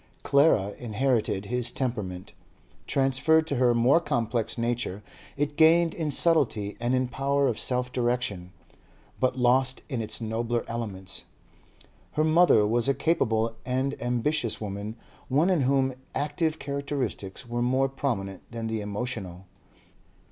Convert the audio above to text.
Clara inherited his temperament; transferred to her more complex nature, it gained in subtlety and in power of self direction, but lost in its nobler elements. Her mother was a capable and ambitious woman, one in whom active characteristics were more prominent than the emotional.